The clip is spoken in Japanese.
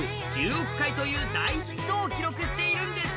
１０億回という大ヒットを記録しているんです。